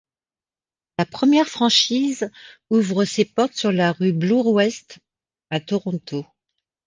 La première franchise ouvre ses portes sur la rue Bloor West à Toronto.